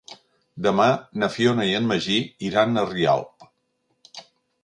Demà na Fiona i en Magí iran a Rialp.